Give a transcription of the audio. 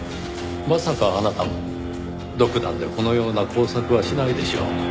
まさかあなたも独断でこのような工作はしないでしょう。